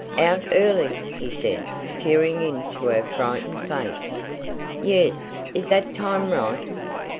"Out early," he said, peering into her frightened face. "Yes, is that time right?"